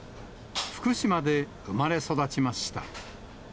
福島で生まれ育ちました。